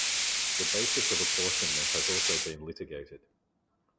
The basis of apportionment has also been litigated.